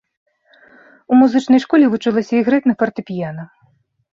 У музычнай школе вучылася іграць на фартэпіяна.